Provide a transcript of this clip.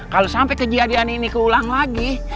kalo sampe kejiadian ini keulang lagi